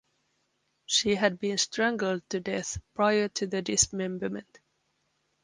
She had been strangled to death prior to the dismemberment.